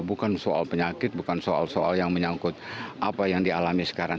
bukan soal penyakit bukan soal soal yang menyangkut apa yang dialami sekarang